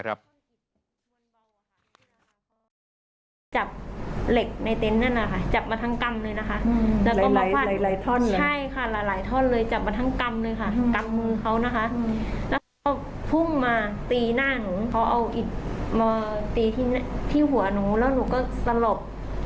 ว่านที่หัวหนูแล้วหนูก็สลบ